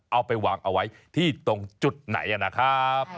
เอาไปวางเอาไว้ที่ตรงจุดไหนนะครับ